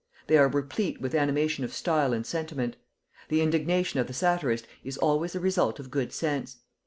They are replete with animation of style and sentiment. The indignation of the satirist is always the result of good sense.